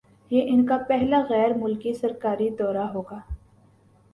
یہ ان کا پہلا غیرملکی سرکاری دورہ ہوگا